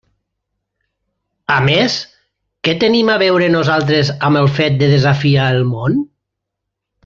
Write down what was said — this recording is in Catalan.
A més, ¿què tenim a veure nosaltres amb el fet de desafiar el món?